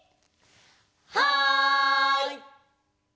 はい！